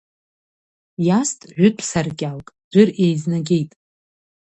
Иаст жәытә саркьалк, ӡәыр еизнагеит.